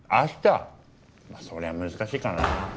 そりゃ難しいかな。